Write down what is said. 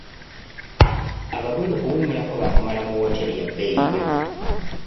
Abagole okuwummulako baakumala mu wooteri yabeeyi nnyo.